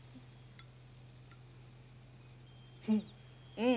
うん。